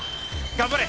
頑張れ！